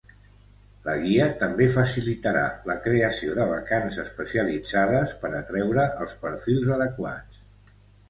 La guia també facilitarà la creació de vacants especialitzades per atreure els perfils adequats.